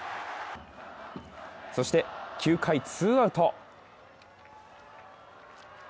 そして９回、ツーアウト。